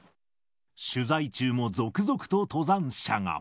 取材中も続々と登山者が。